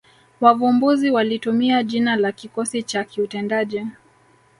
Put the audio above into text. Wavumbuzi walitumia jina la kikosi cha kiutendaji